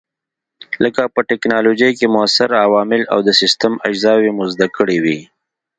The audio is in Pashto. لکه په ټېکنالوجۍ کې موثر عوامل او د سیسټم اجزاوې مو زده کړې وې.